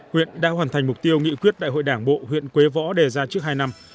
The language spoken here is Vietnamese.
huyện đã hoàn thành mục tiêu nghị quyết đại hội đảng bộ huyện quế võ đề ra trước hai năm